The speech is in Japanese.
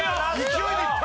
勢いでいった！